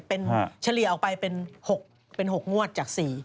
เป็นเฉลี่ยออกไปเป็น๖งวดจาก๔